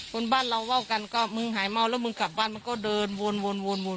คนบ้านเราว่าวกันก็มึงหายเมาแล้วมึงกลับบ้านมันก็เดินวนวน